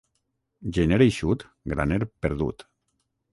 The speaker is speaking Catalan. Gener eixut, graner perdut.